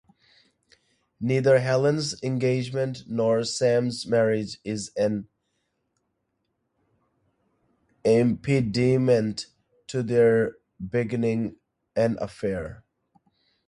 Neither Helen's engagement nor Sam's marriage is an impediment to their beginning an affair.